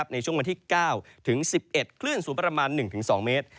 ในช่วงวันที่๙ถึง๑๑คลื่นสูงประมาณ๑๒เมตร